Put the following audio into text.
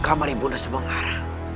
kamar ibu nanda subanglar